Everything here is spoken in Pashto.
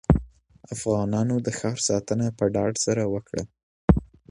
افغانانو د ښار ساتنه په ډاډ سره وکړه.